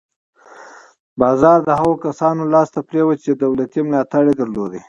بازار د هغو کسانو لاس ته پرېوت چې دولتي ملاتړ یې درلود.